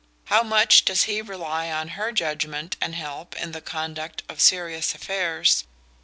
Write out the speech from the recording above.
How much does he rely on her judgment and help in the conduct of serious affairs?